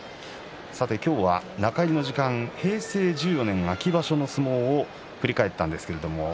今日は中入りの時間は平成１４年の秋場所の相撲を振り返りました。